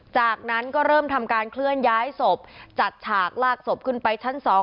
จากนั้นก็เริ่มทำการเคลื่อนย้ายศพจัดฉากลากศพขึ้นไปชั้นสอง